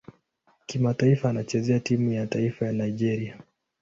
Kimataifa anachezea timu ya taifa Nigeria.